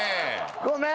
ごめん！